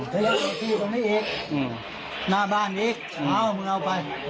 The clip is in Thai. เธออยากเอาที่ตรงนี้อีกหน้าบ้านอีกเอ้ามึงเอาไป